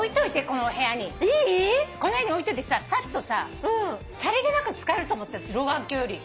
この部屋に置いといてさサッとささりげなく使えると思って老眼鏡より。